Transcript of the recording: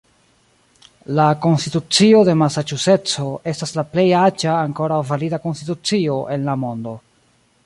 La Konstitucio de Masaĉuseco estas la plej aĝa ankoraŭ valida konstitucio en la mondo.